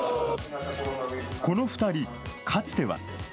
この２人、かつては。